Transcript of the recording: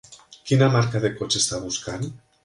Quina marca de cotxe està buscant?